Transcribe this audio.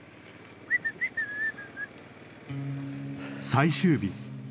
最終日。